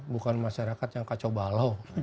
bukan masyarakat yang kacau balau